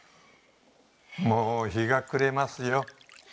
もう日が暮れますよ。